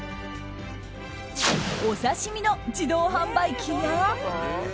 お刺し身の自動販売機や。